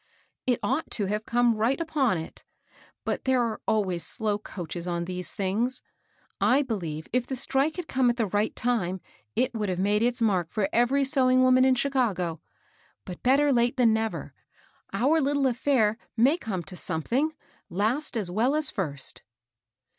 It ought to have come right upon it ; but there are always slow coaches on these things 1 I beheve if the strike had come at the right time it would have made its mark for every ^em\v^'^^\s!ass. 160 KABEL ROSS. in Chicago ; but better late than never. Our lit tle affair may come to something, last as well as first."